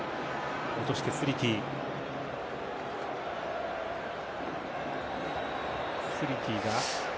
落として、スリティ。